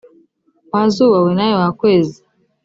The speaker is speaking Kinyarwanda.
wa zuba we nawe wa kwezi